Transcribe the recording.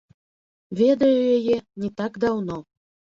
Ведаю яе не так даўно.